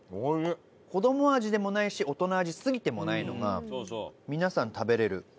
子供味でもないし大人味すぎてもないのが皆さん食べられるボロネーゼ。